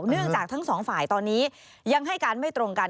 เนื่องจากทั้งสองฝ่ายตอนนี้ยังให้การไม่ตรงกัน